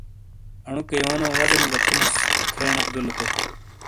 انوکے یونو وازیم گہ تھوموس کھینیک بیلو تو ۔